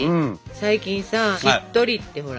最近さ「しっとり」ってほら。